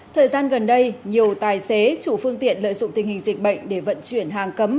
thời gian gần đây nhiều tài xế chủ phương tiện lợi dụng tình hình dịch bệnh để vận chuyển hàng cấm